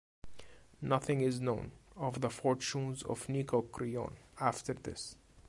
Nothing is known of the fortunes of Nicocreon after this.